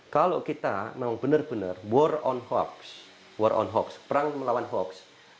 kalau kita memang benar benar war on hoax perang melawan hoax